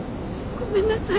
ごめんなさい。